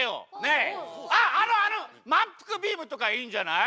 あっあのあのまんぷくビームとかいいんじゃない？